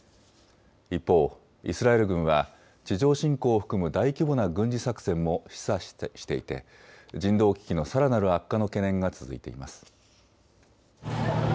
一方、イスラエル軍は地上侵攻を含む大規模な軍事作戦も示唆していて人道危機のさらなる悪化の懸念が続いています。